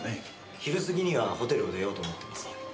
昼過ぎにはホテルを出ようと思ってます。